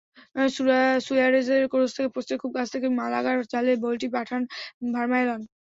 সুয়ারেজের cross থেকে পোস্টের খুব কাছ থেকে মালাগার জালে বলটি পাঠান ভারমায়েলেন।